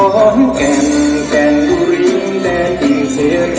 ขอห้องแก่งแก่งบุรินแด่กินเสียงร้อน